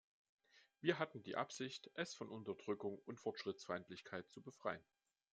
Wir hatten die Absicht, es von Unterdrückung und Fortschrittsfeindlichkeit zu befreien.